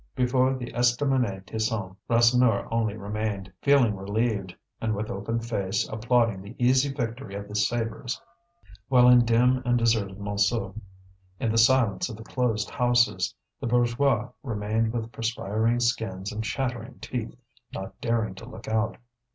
Before the Estaminet Tison, Rasseneur only remained, feeling relieved, and with open face applauding the easy victory of the sabres; while in dim and deserted Montsou, in the silence of the closed houses, the bourgeois remained with perspiring skins and chattering teeth, not daring to look out.